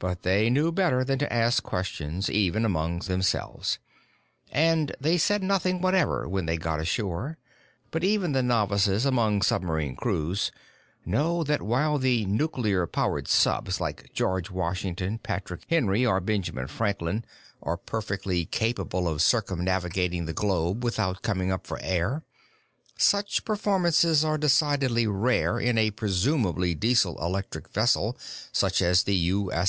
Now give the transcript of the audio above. But they knew better than to ask questions, even among themselves. And they said nothing whatever when they got ashore. But even the novices among submarine crews know that while the nuclear powered subs like George Washington, Patrick Henry, or Benjamin Franklin are perfectly capable of circumnavigating the globe without coming up for air, such performances are decidedly rare in a presumably Diesel electric vessel such as the U.